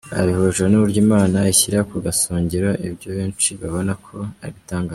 babihuje n’uburyo Imana ishyira ku gasongero ibyo benshi babona ko